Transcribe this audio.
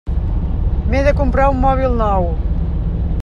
M'he de comprar un mòbil nou.